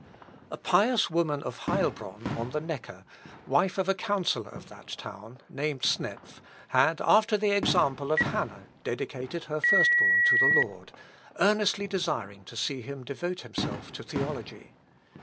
A pious woman of Heilbronn, on the Necker, wife of a councillor of that town, named Snepf, had, after the example of Hannah, dedicated her first born to the Lord, earnestly desiring to see him devote himself to theology.